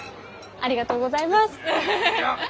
ありがとうございます！